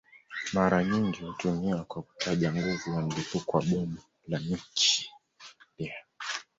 Mara nyingi hutumiwa kwa kutaja nguvu ya mlipuko wa bomu la nyuklia.